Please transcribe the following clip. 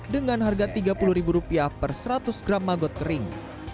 dengan harga rp tiga puluh per seratus gram magot kering